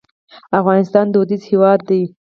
افغانستان دودیز هېواد دی.